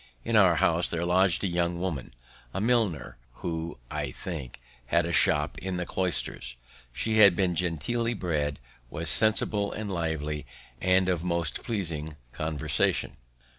In our house there lodg'd a young woman, a milliner, who, I think, had a shop in the Cloisters. She had been genteelly bred, was sensible and lively, and of most pleasing conversation.